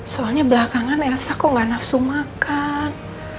soalnya belakangan rasa kok gak nafsu makan